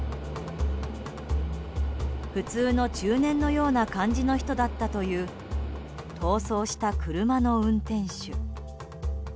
普通の中年のような感じの人だったという逃走した車の運転手。